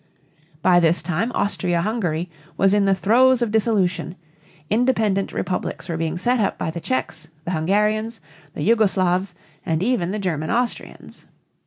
By this time Austria Hungary was in the throes of dissolution; independent republics were being set up by the Czechs, the Hungarians, the Jugo Slavs, and even the German Austrians.